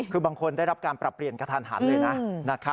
คือบางคนได้รับการปรับเปลี่ยนกระทันหันเลยนะ